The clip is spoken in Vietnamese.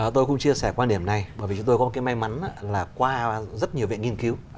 tôi cũng chia sẻ quan điểm này bởi vì chúng tôi có cái may mắn là qua rất nhiều viện nghiên cứu